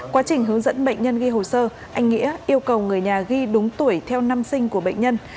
quá trình hướng dẫn bệnh nhân ghi hồ sơ anh nghĩa yêu cầu người nhà ghi đúng tuổi theo năm sinh của bệnh nhân